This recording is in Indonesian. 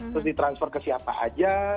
terus ditransfer ke siapa saja